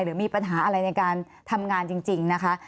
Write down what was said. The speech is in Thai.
หรือมีปัญหาอะไรในการทำงานจริงนะคะ